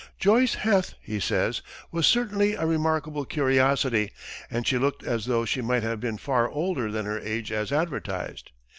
"Joice Heth," he says, "was certainly a remarkable curiosity, and she looked as though she might have been far older than her age as advertised.